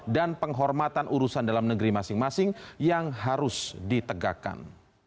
dan penghormatan urusan dalam negeri masing masing yang harus ditegakkan